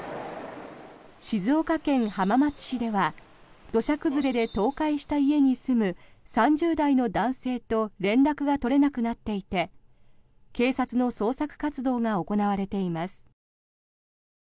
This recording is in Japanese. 静岡県浜松市では土砂崩れで倒壊した家に住む３０代の男性と連絡が取れなくなっていて警察の捜索活動が行われています。